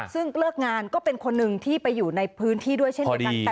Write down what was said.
ซึ่งเลิกงานก็เป็นคนหนึ่งที่ไปอยู่ในพื้นที่ด้วยเช่นเดียวกัน